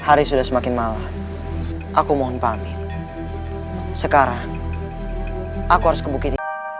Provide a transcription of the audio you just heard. hari sudah semakin malam aku mohon pahami sekarang aku harus ke bukit